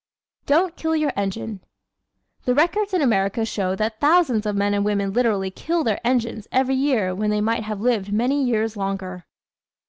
Don't "Kill Your Engine" ¶ The records in America show that thousands of men and women literally "kill their engines" every year when they might have lived many years longer.